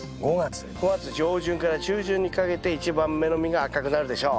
５月上旬から中旬にかけて１番目の実が赤くなるでしょう。